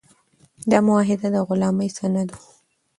دا معاهده د غلامۍ سند و.